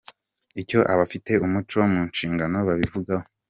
Icyo abafite umuco mu nshingano babivugaho .